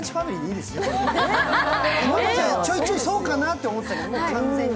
今までちょいちょいそうかなと思ってたけど、もう完全に。